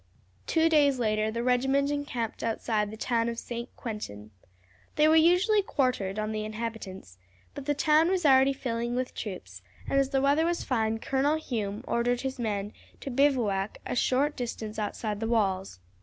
Two days later the regiment encamped outside the town of St. Quentin. They were usually quartered on the inhabitants; but the town was already filled with troops, and as the weather was fine Colonel Hume ordered his men to bivouac a short distance outside the walls.